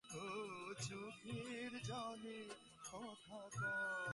রইল কেবল মিলন আর বিদায় একত্র মিশিয়ে একটি শেষ প্রণাম।